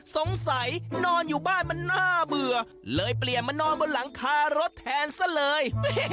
นอนอยู่บ้านมันน่าเบื่อเลยเปลี่ยนมานอนบนหลังคารถแทนซะเลย